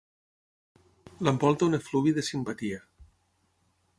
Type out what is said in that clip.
L'envolta un efluvi de simpatia.